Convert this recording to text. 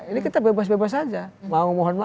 ini kita bebas bebas saja